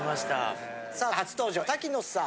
さあ初登場瀧野さん。